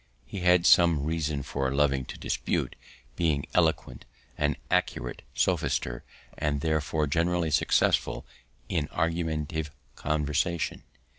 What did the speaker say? He had some reason for loving to dispute, being eloquent, an acute sophister, and, therefore, generally successful in argumentative conversation.